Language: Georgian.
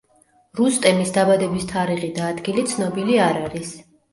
რუსტემის დაბადების თარიღი და ადგილი ცნობილი არ არის.